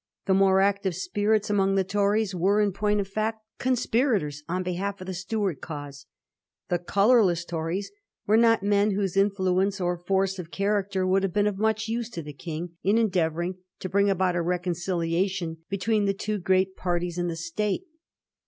The more active spirits among the Tories were, in point of fact, conspirators on behalf of the Stuart cause. The colourless Tories were not men whose influence or force of character would have been of much use to the King in endeavouring to bring about a reconcili ation between the two great parties in the State.